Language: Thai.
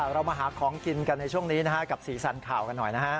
เรามาหาของกินกันในช่วงนี้กับสีสันข่าวกันหน่อยนะฮะ